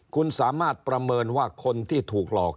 คุณสามารถประเมินว่าคนที่ถูกหลอก